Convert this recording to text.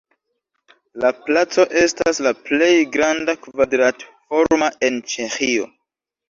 La placo estas la plej granda kvadrat-forma en Ĉeĥio.